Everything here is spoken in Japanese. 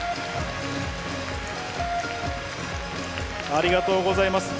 ありがとうございます。